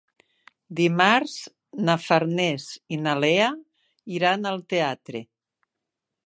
Dimarts na Farners i na Lea iran al teatre.